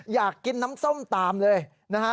อยากกินน้ำส้มตำเลยนะฮะ